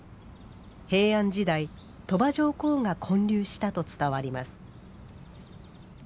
平安時代、鳥羽上皇が建立したと伝わります。